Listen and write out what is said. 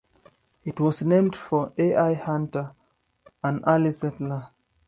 It was named for Al Hunter, an early settler.